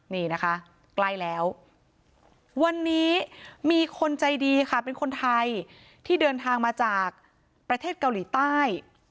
นี่นะคะใกล้แล้ววันนี้มีคนใจดีค่ะเป็นคนไทยที่เดินทางมาจากประเทศเกาหลีใต้